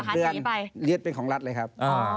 เดือนยึดเป็นของรัฐเลยครับ